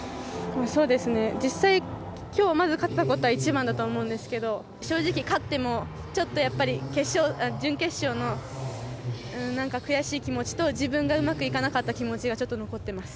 そうですね、実際、きょうまず勝てたことは一番だと思うんですけど、正直勝っても、ちょっとやっぱり、準決勝のなんか悔しい気持ちと、自分がうまくいかなかった気持ちがちょっと残ってます。